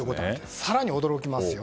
更に驚きますよ。